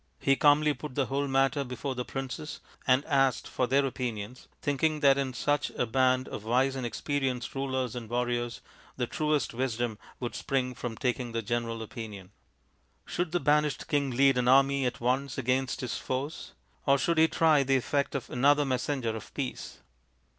He calmly put the whole matter before the princes and asked for their opinions, thinking that in such a band of wise and experienced rulers and warriors the truest wisdom would spring from taking the general opinion. THE FIVE TALL SONS OF PANDU 99 Should the banished king lead an army at once against his foes ? Or should he try the effect of another messenger of peace